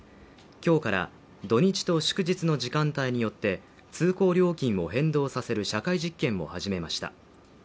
今日から土日と祝日の時間帯によって通行料金を変動させる社会実験を始めました。